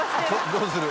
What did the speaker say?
「どうする？